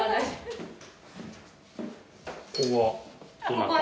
ここは？